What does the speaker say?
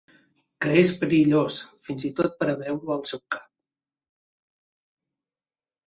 Que és perillós, fins i tot per veure-ho al seu cap.